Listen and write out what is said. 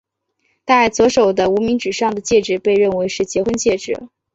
戴左手的无名指上的戒指被认为是结婚戒指。